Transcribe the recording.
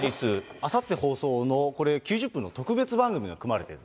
あさって放送のこれ、９０分の特別番組が組まれている。